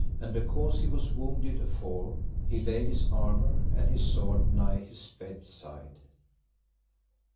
And because he was wounded afore, he laid his armour and his sword nigh his bed's side.